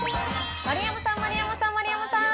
丸山さん、丸山さん、丸山さん。